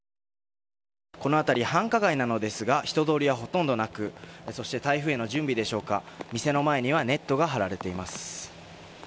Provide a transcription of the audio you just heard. この辺り、繁華街なのですが人通りはほとんどなくそして、台風への準備でしょうか店の前にはネットが張られています。